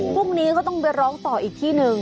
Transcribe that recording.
พรุ่งนี้ก็ต้องไปร้องต่ออีกที่หนึ่ง